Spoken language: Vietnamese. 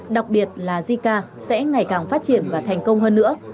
đặc biệt là jica sẽ ngày càng phát triển và thành công hơn nữa